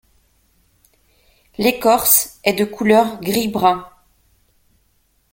L'écorce est de couleur gris-brun.